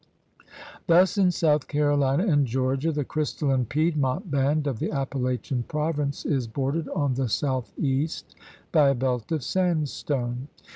Thus in South Carolina and Georgia the crystalline Piedmont band of the Appalachian province is bordered on the southeast by a belt of sandstone.